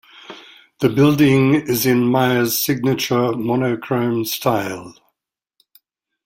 The building is in Meier's signature monochrome style.